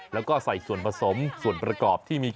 แล้วก็ใส่ส่วนผสมส่วนประกอบที่มี